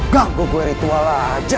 gagok gua ritual aja